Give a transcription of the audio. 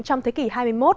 trong thế kỷ hai mươi một